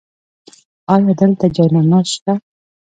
ایا دلته جای نماز شته؟